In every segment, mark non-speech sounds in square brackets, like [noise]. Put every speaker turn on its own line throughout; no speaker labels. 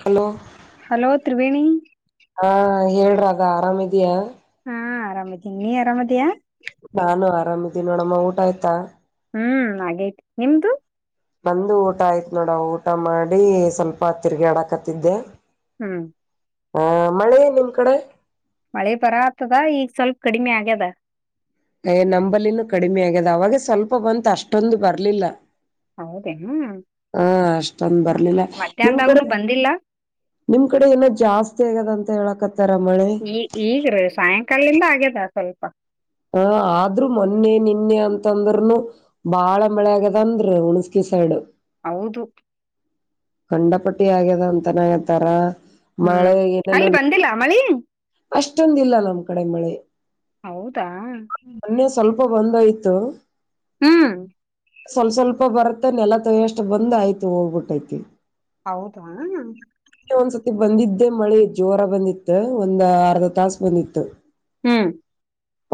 Hello
hello Triveni
ಹಾ ಹೇಳ್ ರಾಧಾ ಅರಾಮ್ ಇದಿಯಾ
ಹಾ ಆರಾಮದೀನಿ ನೀ ಆರಾಮದಿಯಾ?
ನಾನು ಆರಾಮಿದ್ದೀನಿ ನೋಡಮ್ಮ ಊಟ ಆಯ್ತಾ
ಹ್ಮ್ ಹಾಗೇೈತಿ ನಿಮ್ದು?
ನಮ್ದು ಊಟ ಆಯ್ತ್ ನೋಡ ಊಟ ಮಾಡಿ ಸ್ವಲ್ಪ ತಿರ್ಗಿಡ ಆಡಕತ್ತಿದ್ದೆ
ಹ್ಮ್
ಹ ಮಳೆ ನಿಮ್ ಕಡೆ
ಹೇ ಪರ ಆತದ ಈಗ ಸ್ವಲ್ಪ ಕಡಿಮೆ ಆಗ್ಯದ
ಹೇ ನಂಬಲಿನೂ ಕಡಿಮೆ ಆಗ್ಯದ ಅವಾಗ ಸ್ವಲ್ಪ ಬಂತ ಅಷ್ಟೊಂದು ಬರ್ಲಿಲ್ಲ
ಹೌದೇನು ಹ್ಮ್
ಹಾ ಅಷ್ಟೊಂದ ಬರ್ಲಿಲ್ಲ ನಿಮ್ ಕಡೆ
ಮಧ್ಯಾಹ್ದಾಗನು ಬಂದಿಲ್ಲ
ನಿಮ್ ಕಡೆ ಏನೋ ಜಾಸ್ತಿ ಆಗದ ಅಂತ ಹೇಳಕತ್ತ
ಈ ಈಗ್ರೀ ಸಾಯಂಕಾಲಿಂದ ಆಗ್ಯದ ಸ್ವಲ್ಪ
ಹ ಆದ್ರರು ಮೊನ್ನೆ ನಿನ್ನೆ ಅಂತಂದ್ರ್ನು ಬಾಳ ಮಳೆ ಆಗ್ಯದಂದ್ರೆ ಹುಣಸ್ಕ ಸೈಡ್
ಹೌದು
ಖಂಡಪಟ್ಟಿ ಆಗ್ಯದ ಅಂತನ ಹೇಳ್ತಾರ
ಹ್ಮ್ ಅಲ್ಲಿ ಬಂದಿಲ್ಲ ಮಳಿ
ಅಷ್ಟೊಂದ ಇಲ್ಲ ನಮ್ಮ್ ಕಡೆ ಮಳೆ
ಹೌದಾ
ಹಬ ಬಂದಯ್ತು
ಹ್ಮ್
ಸ್ವಲ್ಪ ಸ್ವಲ್ಪ ಬರ್ತ್ತ ನೆಲ ತಷ್ಟ ಬಂದ್ ಆಯ್ತು ಹೋಗ್ಬಿಟ್ಟೈತಿ
ಹೌದ
ಇನ್ನ್ ಒಂದ್ಸತಿ ಬಂದಿದ್ದೆ ಮಳೆ ಜೋರ ಬಂದಿತ್ತು ಒಂದ್ ಅರ್ಧ ತಾಸ ಬಂದಿತ್ತು
ಹ್ಮ್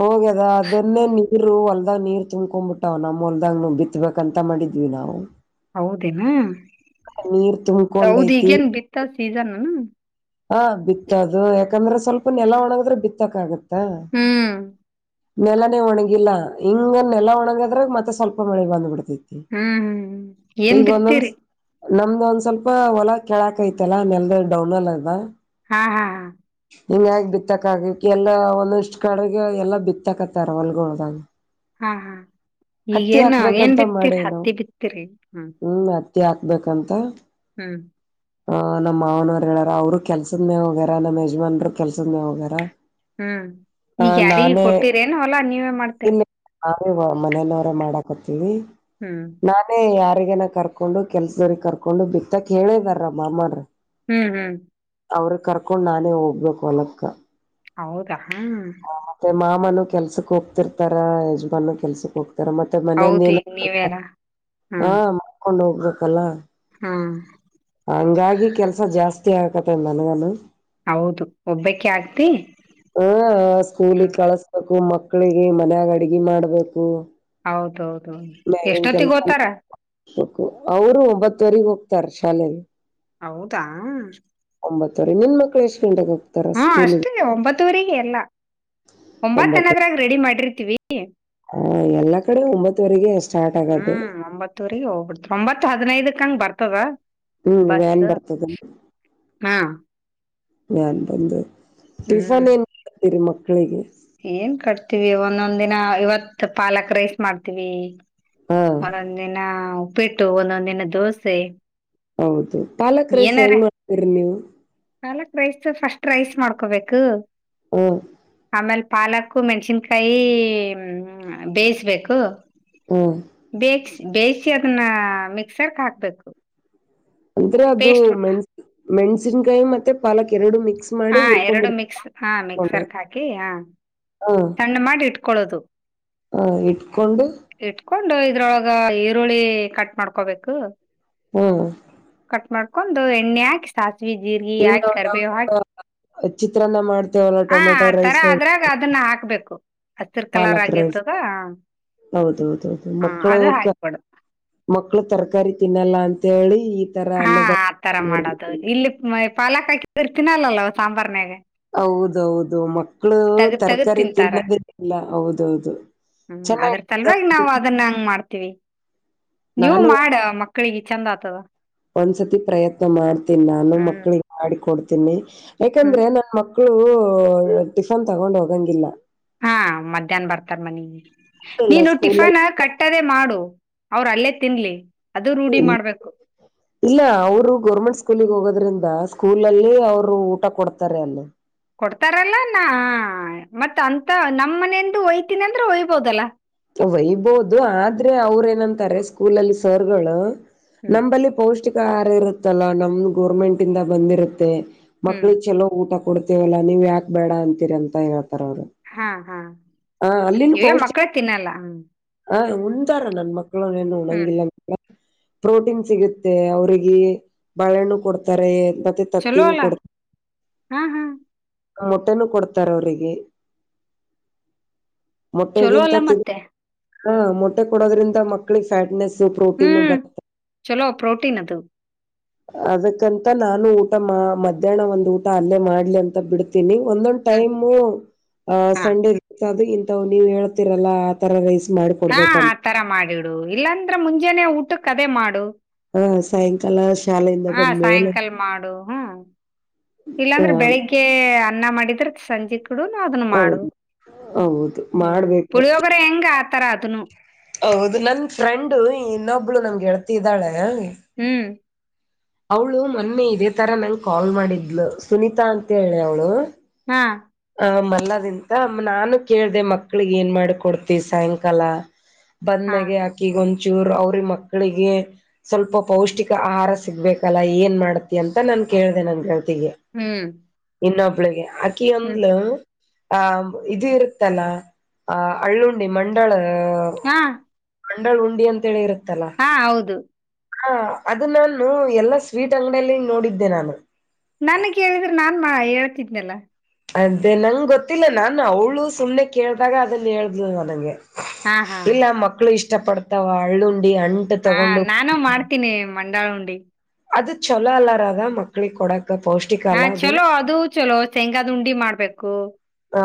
ಹೋಗದಾ ಅದನ್ನ ನೀ ಇರು ಹೊಲ್ದಾಗ್ ನೀರ್ ತುಂಬ್ಕೊ್ಬಿಟ್ಟಾವ್ ನಮ್ಮ ಹೊಲ್ದ್ ಬಿತ್ಬೇಕ ಅಂತ ಮಾಡಿದ್ವಿ ನಾವು
ಹೌದೇನಾ
ನೀರ್
ಹೌದ
ತುಂಬ್ಕೊಂಡೈತಿ
ಈಗೇನ್ ಬಿತ್ತ ಸೀಸನ್ನಾ
ಹಾ ಬಿತ್ತದು ಯಾಕಂದ್ರೆ ಸ್ವಲ್ಪ ನೆಲ ಒಣಗದ್ರೆ ಬಿತ್ತಕ್ ಆಗತ್ತ
ಹ್ಮ್
ನೆಲನೆೇ ಒಣಗಿಲ್ಲಾ ಹಿಂಗ ನೆಲ ಒಣಗದ್ರಾಗ ಮತ್ತೆ ಸ್ವಲ್ಪ ಮಳೆಗ್ ಬಂದ್ಬಿಡ್ತ
ಹ್ಮ್ ಏನ್
ಈಗ ಒಂದೊಂದ್
ಬಿತ್ತೀರಿ
ನಮ್ದ ಒಂದ್ ಸ್ವಲ್ಪ ಹೊಲ ಕೆೇಳಕೈತಲ್ಲ ನೆಲ ಡೌನ್ ಅಲ್ಲ ಅದ
ಹಾ ಹಾ ಹಾ
ಹಿಂಗ ಹಗ್ ಬಿತ್ತಕ್ಕ ಆಗಕ್ಕೆ ಎಲ್ಲಾ ಒಂದಷ್ಟ್ ಕಡೆಗೆ ಎಲ್ಲಾ ಬಿತ್ತಾಕತ್ತಾರ ಹೊಲ್ಗೊಳದಾಗ
ಹಾ ಹಾ ಈಗೇನು ಏನ್
ಹಾಕ್ಬೇಕಂತ
ಬಿತ್ತಿರ
ಮಾಡೇವಿ ನಾವು
ಹತ್ತಿ ಬಿತೀರಿ ಹ್ಮ
ಹ್ಮ್ ಹತ್ತಿ ಹಾಕ್ಬೇಕಂತ
ಹ್ಮ್
ಆ ನಮ್ಮ್ ಮಾವನವ್ರು ಹೇಳ್ಯಾರ ಅವರು ಕೆಲ್ಸದ ಮ್ಯ ಹೋಗ್ಯಾರ ನಮ್ಮ್ ಯಜಮಾನ್ರು ಕೆಲ್ಸದ್ಮ್ಯ ಹೋಗ್ಯಾರ
ಹ್ಮ್
ಆ
ಈಗ ಯಾರ
ನಾನೇ
ಕೊಟ್ಟಿರೇನು ಹೊಲ ನೀವೇ ಮಾಡ್ತೀರಿ
[unintelligible] ಮಾಡಾಕತವಿ
ಹ್ಮ್
ನಾನೇ ಯ ಅವಗನ ಕರ್ಕೊಂಡು ಕೆಲ್ಸದವ್ರ ಕರ್ಕೊಂಡು ಬಿತ್ತಕ್ ಹೇಳಿದಾರ ಮಾಮ್ರ
ಹ್ಮ್ ಹ್ಮ್
ಅವ್ರ ಕರ್ಕೊಂಡ್ ನಾನೇ ಹೋಗ್ಬೇಕು ಹೊಲಕ್ಕ
ಹೌದಾ ಹಾ
ಅಮ್ಮನು ಕೆಲ್ಸಕ್ ಹೋಗ್ತಿರ್ತಾರ ಯಜಮಾಾನ ಕೆಲ್ಸ ತರ ಮತ್ತೆ ಮನೆಯ
ಹೌದು
ಏ
ಈಗ ನೀವೇರಾ
ಹಾ ಮಾಡ್ಕೊಂಡ್ ಹೋಗ್ಬೇಕಲ್ಲ
ಹಾ
ಹಂಗಾಗಿ ಕೆಲ್ಸ ಜಾಸ್ತಿ ಆಕತ್ತ ನನ್ಗನು
ಹೌದು ಒಬ್ಬಕ ಆಗ್ತಿ
ಹ ಸ್ಕೂಲಗ್
ಹ್ಮ್
ಕಳಸ್ಬೇಕು ಮಕ್ಳಿಗೆ ಮನ್ಯಾಗ ಅಡ್ಗೆಿ ಮಾಡ್ಬೇಕು
ಹೌದೌದು ಎಷ್ಟೊತ್ತಿಗೆ ಓತಾರ
ಹಕು ಅವರು ಒಂಬತ್ತುವರೆಗೆ ಹೋಗ್ತಾರ ಶಾಲೆಗೆ
ಹೌದಾ
ಒಂಬತ್ತವರೆ ನಿನ್ ಮಕ್ಳ ಎಷ್ಟ ಕಟಾಗ
ಹ್ಮ ಅಷ್ಟೇ ಒಂಬತ್ತುವರಿಗೆ ಎಲ್ಲ
ಒಂಬತ್ತು
ಒಂಬತ್ತನದ್ರಾಗ ರೆಡಿ ಮಾಡಿರ್ತೀವಿ
ಹ ಎಲ್ಲಾ ಕಡೆ ಒಂಬತ್ತವರೆಗೆ ಸ್ಟಾರ್ಟ್ ಆಗ್ದದು
ಒಬತ್ತು ಹದಿನೈದ ಅಂಗ ಬರ್ತದ
ಹ್ಮ್ ವ್ಯಾನ್
ಬಸ್
ಬರ್ತದ
ಹಾ
ನಾನ್ ಬಂದು
ಹ್ಮ್
ಟಿಫನ್ ಏನ್ ಮಾಡತೀರಿ ಮಕ್ಕಳಿಗೆ
ಏನ್ ಕಟ್ತಿವಿ ಒಂದೊಂದ್ ದಿನ ಇವತ್ ಪಾಲಕ್ ರೈಸ್ ಮಾಡ್ತೀವಿ
ಹಾ
ಒಂದೊಂದ್ ದಿನ ಉಪ್ಪಿಟ್ಟು ಒಂದೊಂದ ದಿನ ದೋಸೆ
ಹೌದು ಪಾಲಕ ರೇಸ ಹೆಂಗ್ ಮಾಡ್ತರಿ ನೀವು
ಹಾಲಕ್ ರೈಸ್ ಫಸ್ಟ್ ರೈಸ್ ಮಾಡ್ಕೋಬೇಕು
ಹ್ಮ
ಆಮೇಲ್ ಪಾಲಕು ಮೆಣ್ಸಿನ್ಕಾಯಿ ಹ ಬೇಯಿಸಬೇಕು
ಹಓ
ಬೇಯಿಸಿ ಅದನ್ನ ಮಿಕ್ಸರ್ಕ್ ಹಾಕ್ಬೇಕು
ಅಂದ್ರ ಅದು
ಪೇಸ್ಟ್
ಮೆಣಸ ಮೆಣ್ಸಿನ್ಕಾಯಿ ಮತ್ತೆ ಪಾಲಕ್ ಎರಡು ಮಿಕ್
ಹಾ ಎರಡು ಮಿಕ್ಸ್ ಹಾ ಮಿಕ್ಸರ್ಕ್ ಹಾಕಿ ಹ ಸಣ್ಣ ಮಾಡಿ ಇಟ್ಕೊಳ್ಳದು
ಹಾ ಇಟ್ಕಕೊಂಡು
ಇಟ್ಕೊಂಡು ಇದ್ರೊಳಗ ಈರುಳ್ಳಿ ಕಟ್ ಮಾಡ್ಕೊಬೇಕು
ಹ್ಮ್
ಕಟ್ ಮಾಡ್ಕೊಂಡ್ ಎಣ್ಣೆ ಹಾಕಿ ಸಾಸಿವವಿ ಜೀಗ
ಈಗ
ಹಾಕಿ
ನಾವ್
ಕರ್ಬೇವು
ಯಾವ
ಹಾಕಿ
ಚಿತ್ರಾನ್ನ ಮಾಡ್ತೇವಲ್ಲ
ಹ
ಟೊಮೆಟೊ
ಆ ತರ
ರೈಸ್
ಆದ್ರಾಗ ಅದನ್ನ ಹಾಕ್ಬೇಕು ಹಸಿರ್ ಕಲಾರ
ಪಾಲಕ್ ರೈಸ್
ಆಗಿರ್ತದ
ಹೌದೌದೌದು
ಆ
ಮಕ್ಕಳು
ಅದ ಹಾಕ್ಬಿಡು
ಮಕ್ಳು ತರಕಾರಿ ತಿನ್ನಲ್ಲ ಅಂತೇಳಿ ತರ
ಹಾ
ಅನ್ನದ
ಆತರ ಮಾಡೋದು
ಮಾಡ್ಬಿಡ್ತೀವಿ.
ಇಲ್ಲಿ ಪಾಲಕ್ ಹಾಕಿ ಇರ್ತೀನಲ್ಲಲ್ಲವ ಸಾಂಬಾರ್ನಯಾಗೆ
ಹೌದೌದು ಮಕ್ಕಳು
ತಗದ್ ತಗದ್
ತರಕಾರಿ
ತಿಂತಾರ
ತಿನ್ನೋದಿಲ್ಲ ಹೌದೌದು
ಹ್ಮ್ ಅದ್ರ
ಚೆನ್ನಾಗಿ
ತಲ್ವಾಗ ನಾವವು ಅದನ್ನ ಹಂಗ ಮಾಡ್ತೀವಿ ನೀವು
ನಾನು
ಮಾಡ ಮಕ್ಳಿಗ ಇ ಚಂದಾದತದ
ಒಂದ್ಸತಿ ಪ್ರಯತ್ನ ಮಾಡ್ತೀನಿ ನಾನು
ಹ್ಮ್
ಮಕ್ಳಿಗೆ ಮಾಡ ಕೊಡ್ತೀನಿ
ಹ್ಮ್
ಯಾಕಂದ್ರೆ ನನ್ ಮಕ್ಳು ಮಕ್ಕಳು ಟಿಫನ್ ತಗೊಂಡ್ ಹೋಗಂಗಿಲ್ಲ
ಹ ಮಧ್ಯಾಹ್ ಬರ್ತಾರ ಮನ
ಇಲ್ಲ
ನೀನು
ಸ್ಕೂಲಲ್ಲಿ
ಟಿಫನ್ ಕಟ್ಟ ಕಟ್ಟದೇ ಮಾಡು ಅವ್ರ ಅಲ್ಲೇ ತಿನ್ಲಿ ಅದು ರೂಢಿ ಮಾಡ್ಬೇಕು
ಇಲ್ಲ ಅವರು ಗೌರ್ಮೆಂಟ್ ಸ್ಕೂಲಿಗೆ ಹೋಗೋದ್ರಿಂದ ಸ್ಕೂಲ್ ಅಲ್ಲಿ ಅವ್ರು ಊಟ ಕೊಡ್ತಾರೆ ಅಲ್ಲೇ
ಕೊಡ್ತಾರಲ್ಲ ನಾ ಮತ್ ಅಂತ ನಮ್ಮ ಮನೆೆಯಂದು ಒಯ್ತೀನಿ ಅಂದ್ರೆ ಒಯ್ಬೋದಲ್ಲ
ವಯಬೋದು ಆದ್ರೆ ಅವ್ರ ಏನಂತಾರೆ ಸ್ಕೂಲ್ಲ್ಲಿ ಸರ್ಗಳು
ಹ್ಮ್
ನಂಬಲ್ಲಿ ಪೌಷ್ಟಿಕ ಆಹಾರ ಇರುತ್ತಲ್ಲ ನಮ್ದ ಗೋರ್ಮೆಂಟ್ ಇಂದ ಬಂದಿರುತ್ತೆ
ಹ್ಮ್
ಮಕ್ಳಿಗೆಗ್ ಚಲೋ ಊಟ ಕೊಡ್ತೇವಲ್ಲಾ ನೀವ್ ಯಾಕ ಬೇಡ ಅಂತೀರ ಅಂತ ಹೇಳ್ ರದು
ಹಾ ಹಾ
ಹ ಅಲ್ಲಿ
ಇವೇ
ಪೋಷ್ಟ
ಮಕ್ಳ ತಿನ್ನಲ್ಲ ಹ್ಮ್
ಹ ಉಂತರೆ ನನ್ ಮಕ್ಕಳು ಏನನು
ಹ್ಮ್
ಉಣಂಗಿಲ್ಲ ಪ್ರೋಟೀನ್ ಸಿಗುತ್ತೆ ಅವ್ರಿಗೆ ಬಳೆಣ್ಣು ಕೊಡ್ತಾರೆ ತತ್ತ
ಚಲೋ
ನ
ಅಲ್ಲ
ಕೊಡ
ಹಾ ಹಾ
ನ ಮೊಟ್ಟೆನ ಕೊಡ್ತಾರ ಅವ್ರರಿಗೆ
ಚಲೋ ಅಲ್ಲ ಮತ್ತೆ
ಹಾ ಮೊಟ್ಟೆ ಕೊಡೋದ್ರಿಂದ ಮಕ್ಳಿಗೆ ಫ್ಯಾಟ್ನೆಸ್ ಪ್ರೋಟೀನು
ಹ್ಮ್
ಬರುತ್ತೆ
ಚಲೋ ಪ್ರೋಟೀನ್ ಅದು
ಅದಕ್ಕಂತ ನಾನು ಊಟ ಮಾ ಮಧ್ಯಾಹ್ನ ಒಂದು ಊಟ ಅಲ್ಲೇ ಮಾಡ್ಲಿ ಅಂತ ಬಿಡ್ತೀನಿ ಒಂದೊಂದ್
ಹ್ಮ್
ಟೈಮು ಅ
ಹಾ
ಸಂಡೇ ರ ಅದು ಇಥ ನೀವು ಹೇಳ್ತಿರಲ್ಲ ಆ ತರ ರೈಸ್
ಹಾ
ಮಾಡಿಕೊಡ್ಬೇಕಂತ
ಆತರ ಮಾಡಿಡು ಇಲ್ಲಾಂದ್ರ ಮುಂಜೆನೇ ಊಟಕೆ ಅದೇ ಮಾಡು
ಹ್ಮ ಸಾಯಂಕಾಲ ಶಾಲೆಯಿಂದ
ಹಾ
ಬಂದ್ಮೇಲೆ
ಸಾಯಂಕಾಲ ಮಾಡು ಹ್ಮ್
ಹ
ಇಲ್ಲಾಂದ್ರೆ ಬೆಳಿಗ್ಗೆ ಅನ್ನ ಮಾಡಿದ್ರೆ ಸಂಜೆ ಇದುನು ಅದುನು ಮಾಡು
ಹೌದು ಹೌದು
ಹ್ಮ್
ಮಾಡ್ಬೇಕು
ಪುಳಿಯೋಗರೆ ಹೆಂಗೆ ಆತರ ಆತುನೂ.
ಹೌದು ನನ್ ಫ್ರೆಂಡು ಇನ್ನೊಬ್ಳು ಗೆಳತಿಯಿದ್ದಾಳೆ.
ಹ್ಮ್
ಅವಳು ಮೊನ್ನೆ ಇದೇ ತರ ನಂಗ್ ಕಾಲ್ ಮಾಡಿದ್ಲು ಸುನೀತಾ ಅಂತ ಹೇಳಿ.
ಹಾ
ಮಲ್ಲವಿಂತ ನಾನು ಕೇಳ್ದೆ ಮಕ್ಳಗ್ ಏನ್ ಮಾಡು ಕೊಡ್ತಿ ಸಾಯಂಕಾಲ. ಬಂದ್
ಹಾ
ಮ್ಯಾಗೆ ಹಾಕಿಗು ಉನ್ ಚೂರು ಅವ್ರ ಮಕ್ಕಳಿಗೆ ಸ್ವಲ್ಪ ಪೌಷ್ಟಿಕ ಆಹಾರ ಸಿಗ್ಬೇಕಲ್ಲ ಏನ್ ಮಾಡತಿ ಅಂತ ನ ಕೇಳಿದೆ ನನ್ ಗೆಳತಿಗೆ
ಹ್ಮ್
ಇನ್ನೊಬ್ಳಿಗೆ ಆಕಿ
ಹ್ಮ್
ಅಂದ್ಲು ಆ ಇದು ಇರುತ್ತಲ್ಲ ಆ ಹಳ್ಳುಂಡಿ ಮಂಡಾಳು.
ಹಾ
ಹಂಡೆ ಉಂಡಿ ಅಂತಿರು.
ಹಾ ಹೌದು
ಹಾ ಅದು ನಾನು ಎಲ್ಲಾ ಸ್ವೀಟ್ ಅಂಗಡಿಯಲ್ಲಿ ನೋಡಿದ್ದೆ ನಾನು
ನನ್ ಕೇಳಿದ್ರೆ ನಾನ್ ಹೇಳ್ತಿದ್ನಲ್ಲ.
ಅದೇ ನಂಗೆ ಗೊತ್ತಿಲ್ಲ ನಾನು ಅವ್ಳು ಸುಮ್ನೆ ಕೇಳ್ದಾಗ ಅದನ್ ಹೇಳ್ದು ನನಗೆ.
ಹಾ ಹಾ
ಇಲ್ಲ ಮಕ್ಕಳು ಇಷ್ಟ ಪಡ್ತಾವ ಹಳ್ಳುಂಟ
ಹಾ ನಾನು ಮಾಡ್ತೀನಿ ಮಂಡಾಳ ಉಂಡಿ.
ಅದು ಚಲೋ ಅಲ್ಲ ರಾಧ ಮಕ್ಳಿಗೆ ಕೊಡಕ್ಕೆ.
ಹಾ ಚಲೋ ಅದು ಚಲೋ ಶೇಂಗಾದ್ ಉಂಡಿ ಮಾಡ್ಬೇಕು.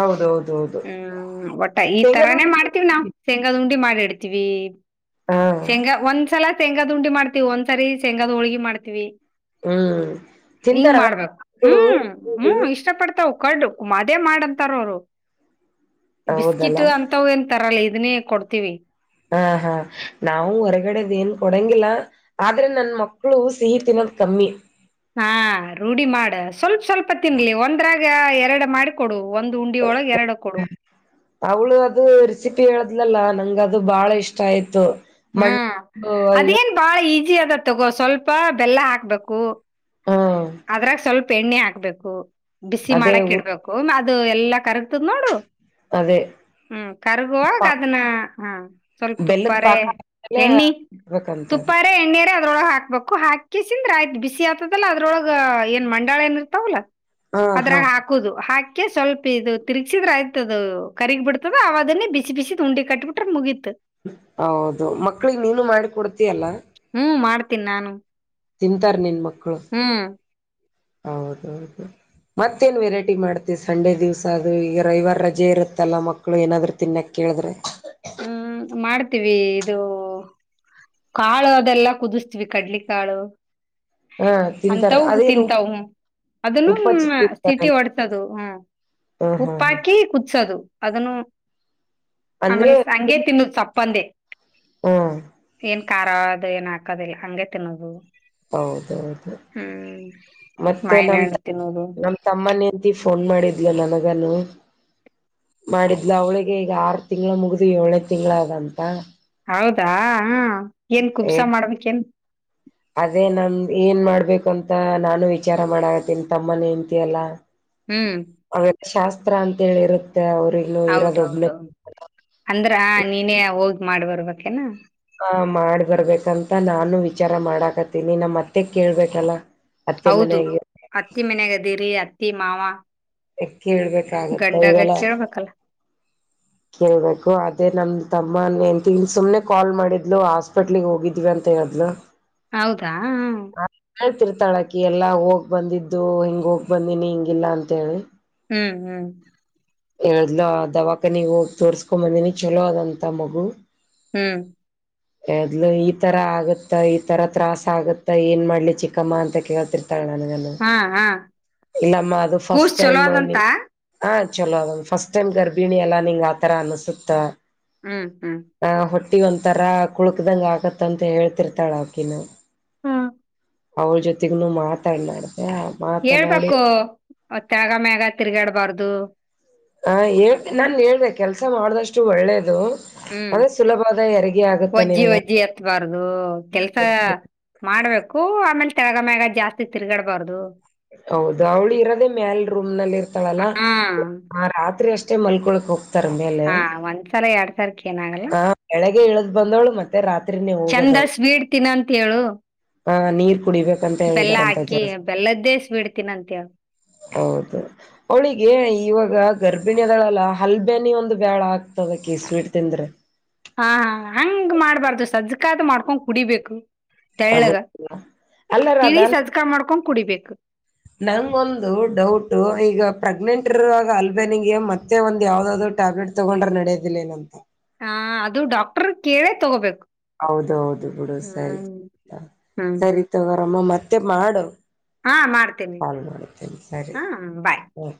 ಹೌದೌದೌದು
ಹ್ಮ್ ಒಟ್ಟ ಈ
ಶೇಂಗದ
ತರಾನೇ
ಉಂಡಿ
ಮಾಡ್ತೀವಿ ನಾವು ಶೇಂಗಾದ್ ಉಂಡಿ ಮಾಡಿ ಇಡ್ತೀವಿ.
ಹಾ
ಶೇಂಗಾ ಒಂದ್ಸಲ ಶೆಂಗ ಉಂಡಿ ಮಾಡ್ತಿವಿ ಒಂದ್ಸರಿ ಶೆಂಗಾದ್ ಹೋಳಿಗೆ ಮಾಡ್ತೀವಿ.
ಹ್ಮ್
ಹಿಂಗ್
ತಿಂತಾರಲ್ಲ
ಮಾಡ್ಬೇಕು
ಮಕ್ಳು
ಹ್ಮ್
ರುಬ್ಬೋದು.
ಹ್ಮ್ ಇಷ್ಟ ಪಡ್ತಾವ ಕಡುಅದೇ ಮಾಡಂತಾರ ಅವರು.
ಹೌದಲ್ಲ
ಬಿಸ್ಕಿಟ್ ಅಂತ ವೇನ್ ತರಲ್ಲ ಇದನ್ನೇ ಕೊಡ್ತೀವಿ.
ಹಾ ಹಾ ನಾವು ಹೊರಗಡೆದು ಏನ್ ಕೊಡಂಗಿಲ್ಲ ಆದ್ರೆ ನನ್ ಮಕ್ಳು ಸಿಹಿ ತಿನ ಕಮ್ಮಿ
ಹಾ ರೂಢಿ ಮಾಡು ಸ್ವಲ್ಪ ಸ್ವಲ್ಪ ತಿನ್ಲಿ ಒಂದ್ರಾಗ ಎರಡು ಮಾಡಿಕೊಡು.
ಅವಳುದು ರಿ ತು ಹೋದ್ಲಲ್ಲಾ ನಂಗ್ ಅದು ಬಹಳ ಇಷ್ಟ ಆಯ್ತು.
ಹ್ಮ್
ಮಣ್ಣು
ಅದೇನ್ ಬಾಳ ಈಜಿ ಅದ ತಗೋ ಸ್ವಲ್ಪ ಬೆಲ್ಲ ಹಾಕ್ಬೇಕು.
ಹ್ಮ್
ಅದ್ರಾಗ ಸ್ವಲ್ಪ ಎಣ್ಣೆ ಹಾಕ್ಬೇಕು ಬಿಸಿ
ಅದೇ
ಮಾಡಕ್
ಊರ್
ಇಡ್ಬೇಕು. ಅದು ಎಲ್ಲಾ ಕರಗ್ತದ್ ನೋಡು
ಅದೇ
ಹ್ಮ್ ಕರ್ಗುವಾಗ
ಪಾ
ಅದನ್ನ ಹಾ ಸ್ವಲ್ಪ
ಬೆಲ್ಲದ
ತುಪ್ಪಾರೆ
ಪಾಕ ಮೇಲೆ
ಎಣ್ಣಿ.
ಇಡ್ಬೇಕಂತದ
ತುಪ್ಪಾರ ಎಣ್ಣೇರ ಅದ್ರೊಳಗ್ ಹಾಕ್ಬೇಕು ಹಾಕಿ ಸಿದ್ರ ಆಯ್ತು ಬಿಸಿ ಆತದಲ್ಲ ಅದ್ರೊಳ ಏನ್ ಮಂಡಾಳ ಏನು ಇರ್ತಾವಲ್ಲಾ.
ಹಾ ಹಾ
ಅದ್ರಾಗ ಹಾಕುದು ಹಾಕಿ ಸ್ವಲ್ಪ ಇದು ತಿರ್ಗ್ಸಿದ್ರೆ ಆಯ್ತದದು ಕರಿಗ್ ಬಿಡತದ ಅವ ಅದನ್ನೇ ಬಿಸಿ ಬಿಸಿದ್ ಉಂಡಿ ಕಟ್ಬು ಬಿಟ್ರೆ ಮುಗಿತ್ತು.
ಹೌದು ಮಕ್ಳಿಗೆ ನೀನು ಮಾಡಿ ಕೊಡ್ತಿಯಲ್ಲ.
ಹ್ಮ ಮಾಡ್ತೀನ್ ನಾನು
ತಿಂತಾರ್ ನಿನ್ನ ಮಕ್ಕಳು
ಹ್ಮ್.
ಹೌದೌದು ಮತ್ತೇನ್ ವೆರೈಟಿ ಮಾಡ್ತಿ ಸಂಡೆ ದಿವ್ಸ ಅದು ಈಗ ರ ಇವಾರ ರಜೆ ಇರುತ್ತಲ್ಲಾ ಮಕ್ಳು ಏನಾದ್ರು ತಿನ್ನಕ್ಕೆ. ಹೇಳುದ್ರೆ
ಹ್ಮ್ ಮಾಡ್ತೀವಿ ಇದು ಕಾಳು ಅದೆಲ್ಲಾ ಕುದಿಸ್ತೀವಿ ಕಡ್ಲಿ ಕಾಳು.
ಹಾ ತಿಂತಾರೆ
ಅಂತವು
ಅದೇನು
ತಿಂತವು ಅದನ್ನು
ಉಪ್ಪಚ್ಚಿ
ಸಿಟಿ
ತಿಂತಾರಲ್ಲ
ಒಡ್ಸದು ಹ್ಮ
ಹ್ಮ್ ಹ್ಮ್ ಹ್ಮ್
ಉಪ್ಪಾಕಿ ಕುುದಸೋದು. ಅದನ್ನು
ಅಂದ್ರೆ
ಸಂಗೆ ತಿನ್ನು ಚಪ್ಪಂದೆ
ಹಾ
ಏನ್ ಖಾರ ಅದ ಏನ್ ಹಾಕದಿಲ್ಲ ಹಗೆ ತಿನ್ನೋದು
ಹೌದೌದು
ಹ್ಮ್
ಮತ್ತೆ
ಮಾವಿನ
ನಮ
ಹಣ್ಣು ತಿನ್ನೋದು
ನಮ್ ತಮ್ಮನಿಂದ ಫೋನ್ ಮಾಡಿದ್ಲ ನನಗನು ಮಾಡಿದ್ಲ ಅವಳಿಗೆ ಈಗ ಆರು ತಿಂಗಳ ಮುಗ್ದ ಏಳನ ತಿಂಳದಂತ
ಹೌದಾ ಏನ್ ಕುಬ್ಸ ಮಾಡ್ಬೇಕಕ್ೇನ್
ಅದೇ ನಮ ಏನ್ ಮಾಡ್ಬೇಕುಂತ ನಾನು ವಿಚಾರ ಮಾಡಾಗತೀನಿ ತಮ್ಮನ ಹೆಂಡತಿಯಲ್ಲ
ಹ್ಮ್
ಶಾಸ್ತ್ರ ಅಂತ ಹೇಳಿರುತ್ತೆ
ಹೌದೌದೌದು ಅಂದ್ರ ನೀನೇ ಹೋಗ್ ಮಾಡ್ ಬರ್ಬೇಕಕೇನಾ
ಹ ಮಾಡ್ಬರ್ಬೇಕಂತ ನಾನು ವಿಚಾರ ಮಾಡಾಕತ್ತೀನಿ ನಮ್ಮ ಮತ್ತೆ ಕೇಳ್ಬೇಕಲ್ಲ ಅತ್ತೆ
ಹೌದು
ಮನೆಗೆ
ಅತ್ತಿ ಮನ್ಯಾಗದೀರಿ ಅತ್ತಿ ಮಾವ
ಕೇಳ್ಬೇಕಾಗತ್ತ
ಗಂಡಾಗ
ಇವೆಲ್ಲ
ಕೇಳ್ಬೇಕಲ್ಲ
ಕೇಳ್ಬೇಕು ಅದೇ ನಮ ತಮ್ಮನ್ ತಿಂಗ ಸುಮ್ನೆ ಕಾಲ್ ಮಾಡಿದ್ಲು ಹಾಸ್ಪಿಟ್ಲ್ ಹೋಗಿದ್ವಿ ಅಂತ ತ್ತ ಅದಲ [unintelligible]
ಹೌದಾ
ಹೇಳ್ತಿರ್ತಾಳಕಿ ಎಲ್ಲಾ ಹೋಗ್ ಬಂದಿದ್ದು ಹಿಂಗ ಹೋಗ್ ಬಂದಿನಿ ಹಿಂಗಿಲ್ಲ ಅಂತೇಳಿ
ಹ್ಮ್ ಹ್ಮ್
ಎದ್ಲ ದವಾಖನಿ ಹೋಗಿ ತೋರ್ಸ್ಕೊ ಬಂದೀಿನಿ ಚಲೋ ಅದಂತ ಮಗು
ಹ್ಮ್
ಎದ್ಲು ಈ ತರ ಆಗುತ್ತ ಈ ತರ ತ್ರಾಾಸ ಆಗತ್ತ ಏನ್ ಮಾಡ್ಲಿ ಚಿಕ್ಕಮ್ಮ ಅಂತ ಕೇಳ್ತಿ ನಗ
ಹಾ ಹಾ
ಇಲ್ಲಮ್ಮ ಅದು ಫಸ್ಟ್
ಕೂಸ್ ಚಲೋ
ಟೈಮ್
ಅದಂತ
ಚಲೋ ಅದ ಫಸ್ಟ್ ಟೈಮ್ ಗರ್ಭಿಣಿ ಎಲ್ಲಾಂಗ್ ಆತರ ಅನ್ಸುತ್ತ
ಹ್ಮ್ ಹ್ಮ್
ಟ್ಟಿ ಒಂ ತರಾ ಕುಳಕದಂಗ ಆಗತ್ತಂತ ಹೇಳ್ತಿರ್ತಾಳ ಅಕಿನ
ಹ್ಮ್
ಅವ್ರ ಜೊತೆಗನು ಮಾತಾಡ್ನಾಡು
ಹೇಳ್ಬೇಕುತ್ಯಾಗ ಮ್ಯಾಗ ತಿರ್ಗಾಡ್ಬಾರ್ದು
ಹ ಹೇಳ ನಾನ್ ಹೇಳ್ದೆ ಕೆಲ್ಸ ಮಾಡದಷ್ಟು ಒಳ್ಳೇದು
ಹ್ಮ್
ಅೆ ಸುಲಭದ ಹೆರಿಗೆ ಆಗುತ್ತೆ
ಒಜ್ಜಿ
ನಿನಗ
ಒಜ್ಜಿ ಎತ್ಬಾರ್ದು ಕೆಲ್ಸ ಮಾಡ್ಬೇಕು ಆಮೇಲೆ ತೆಳಗ ಮ್ಯಾಗ ಜಾಸ್ತಿ ತಿರ್ಗಾಡ್ಬಾರ್ದು
ಹೌದು ಅವಳು ಇರೋದೆೇ ಮ್ಯಲ್ ರೂಮ್ ನಲ್ಲಿ ಇರ್ತಾಳಲ್ಲ
ಹಾ
ರಾತ್ರಿ ಅಷ್ಟ ಅಷ್ಟೆ ಮಲ್ಕೊಳಕ್ ಹೋಗ್ತಾರ ಮೇಲೆ
ಹಾ ಒಂದ್ಸಲ ಎರಡ್ ಸರ್ಕ್ ಏನಾಗಲ್ಲ
ಹಾ ಬೆಳಗ್ಗೆ ಇಳ್ದ್ ಬಂದವಳು ಮತ್ತೆ ರಾತ್ರಿನೇ
ಚಂದ
ಹೋಗದವಳು
ಸ್ವೀಟ್ ತಿನ್ನಂತ ಹೇಳು
ಹಾ ನೀರ್ ಕುಡಿಬೇಕಂತ
ಬೆಲ್ಲ
ಹೇಳಿದಾರಂತ
ಹಾಕಿ
ಜಾಸ್ತಿ
ಬೆಲ್ಲದ್ದೇ ಸ್ವೀಟ್ ತಿನ್ನಂತ ಹೇಳು
ಹೌದು ಹಳಿಗೆ ಇವಾಗ ಗರ್ಭಿಣಿದಳಲ್ಲ ಹಲ್ಬೇನಿ ಒಂದು ಬ್ಯಾಳ ಆಗ್ತದಕಿ ಸ್ವೀಟ್ ತಿಂದ್ರೆ
ಹಾ ಹಂಗ ಮಾಡ್ಬಾರ್ದು ಸಜ್ಕಾದ ಮಾಡ್ಕೊಂಡ್ ಕುಡಿಬೇಕು
ಅದ
ತಳ್ಳಗ
ಅಲ್ಲ
ತಿಳಿ ಸದ್ಕಾ ಮಾಡ್ಕೊಂಡ್ ಕುಡಿಬೇಕು
ನಂಗ ಒಂದು ಡೌಟ್ ಈಗ ಪ್ರೆಗ್ನೆಂಟ್ ಇರುವಾಗ ಅಲ್ಬೇನಿಗೆ ಮತ್ತೆ ಒಂದ ಯಾವ್ದಾದ ಟ್ಯಾಬ್ಲೆಟ್ ತಗೊಂಡ್ರೆ ನಡೆಯದಿಲ್ಲ ನಂತ
ಹಾ ಅದು ಡಾಕ್ಟರ್ ಕೇಳೇ ತಗೋಬೇಕು
ಹೌದೌದು ಬಿುಡು ಸರಿ
ಹ್ಮ್ ಹ್ಮ್.
ಸರಿ ತಗೋರಮ್ಮ ಮತ್ತೆ ಮಾಡು
ಹಾ ಮಾಡ್ತೇನಿ
ಕಾಲ್ ಮಾಡ್ತೇನೆ ಸರಿ
ಹಾ ಬಾಯ್
ಹ್ಮ